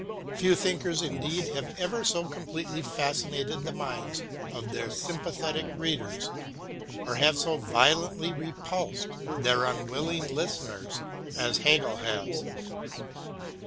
Few thinkers indeed have ever so completely fascinated the minds of their sympathetic readers, or have so violently repulsed their unwilling listeners, as Hegel has.